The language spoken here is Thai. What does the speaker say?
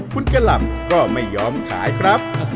คุณกะหล่ำก็ไม่ยอมขายครับ